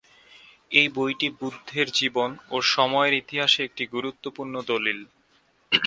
এই বইটি বুদ্ধের জীবন ও সময়ের ইতিহাসে একটি গুরুত্বপূর্ণ দলিল।